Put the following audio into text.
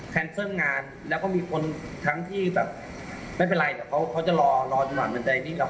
แคนเซิลงานแล้วก็มีคนทั้งที่แบบไม่เป็นไรเขาจะรอจังหวังเงินใจนิดนึง